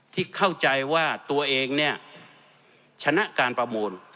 ที่เข้าใจว่าตัวเองเนี่ยชนะการประมูล